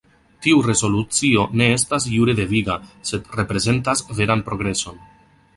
Tiu rezolucio ne estas jure deviga, sed reprezentas veran progreson.